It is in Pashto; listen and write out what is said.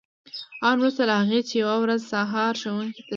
آن وروسته له هغه چې یوه ورځ سهار ښوونځي ته تلم.